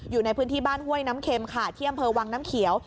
อยู่ในพื้นที่บ้านห้วยน้ำเข็มค่ะที่อำเภอวังน้ำเขียว